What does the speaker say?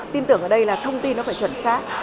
chúng ta tưởng ở đây là thông tin nó phải chuẩn xác